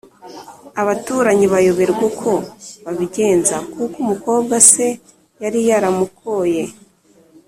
Abaturanyi Bayoberwa uko babigenza, kuko umukobwa se yari yaramukoye